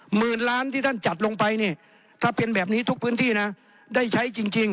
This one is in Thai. หมื่นล้านที่ท่านจัดลงไปเนี่ย